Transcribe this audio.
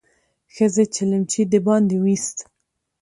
ښځې چلمچي د باندې ويست.